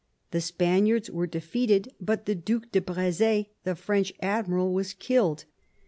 The Spaniards were defeated, but the Due de Br6z6, the French admiral, was killed.